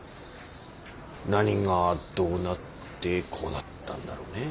何がどうなってこうなったんだろうね。